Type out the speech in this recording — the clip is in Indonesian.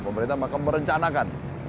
pemerintah maka merencanakan